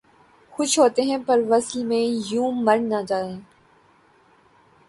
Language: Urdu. خوش ہوتے ہیں پر وصل میں یوں مر نہیں جاتے